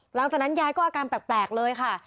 หลังจากนั้นยายก็อาการแปลกเลยค่ะ